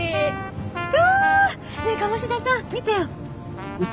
うわ！ねえ鴨志田さん見てよ。